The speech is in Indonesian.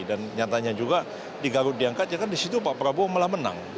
dan nyatanya juga di garut diangkat ya kan di situ pak prabowo malah menang